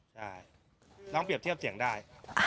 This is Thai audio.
ใช่ลองเปรียบเทียบเสียงได้